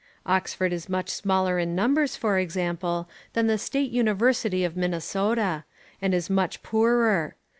Oxford is much smaller in numbers, for example, than the State University of Minnesota, and is much poorer.